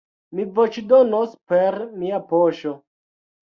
Mi voĉdonos per mia poŝo.